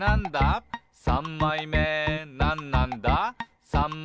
さんまいめなんなんだ？」